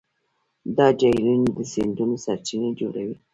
دا جهیلونه د سیندونو سرچینې جوړوي.